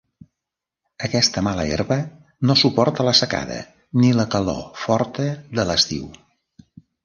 Aquesta mala herba no suporta la secada ni la calor forta de l'estiu.